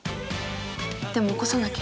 でも起こさなきゃ。